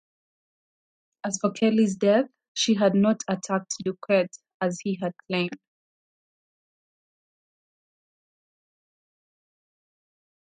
As for Kelly's death, she had not attacked Duquette as he had claimed.